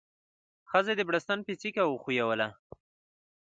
ښځې د بړستن پيڅکه وښويوله.